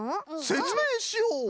せつめいしよう！